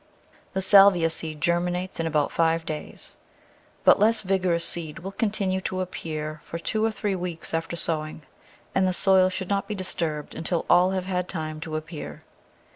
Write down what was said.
The Salvia seed germinates in about five days. But less vigorous seed will continue to appear for two or three weeks after sowing, and the soil should not be disturbed until all have had time to appear.